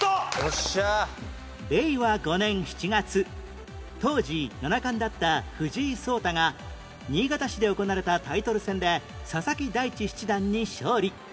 令和５年７月当時七冠だった藤井聡太が新潟市で行われたタイトル戦で佐々木大地七段に勝利